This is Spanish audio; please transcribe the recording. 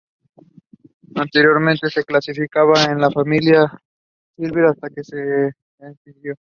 Anteriormente se clasificaba en la familia Sylviidae, hasta que esta se escindió.